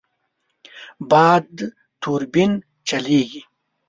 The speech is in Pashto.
باد توربین چلېږي.